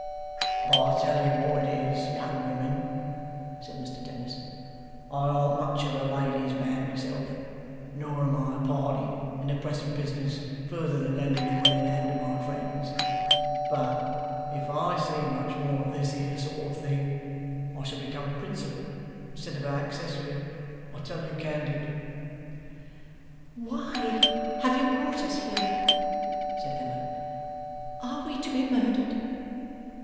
'I tell you what it is, young women,' said Mr Dennis, 'I an't much of a lady's man myself, nor am I a party in the present business further than lending a willing hand to my friends: but if I see much more of this here sort of thing, I shall become a principal instead of a accessory. I tell you candid.' 'Why have you brought us here?' said Emma. 'Are we to be murdered?